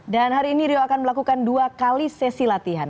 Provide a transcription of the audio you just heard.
hari ini rio akan melakukan dua kali sesi latihan